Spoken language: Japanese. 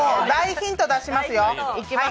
大ヒント出しますよ